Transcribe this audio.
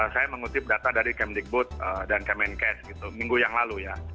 saya mengutip data dari kemdikbud dan kemenkes minggu yang lalu ya